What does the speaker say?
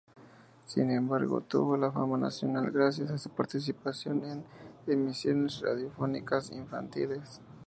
Sin embargo, tuvo fama nacional gracias a su participación en emisiones radiofónicas infantiles.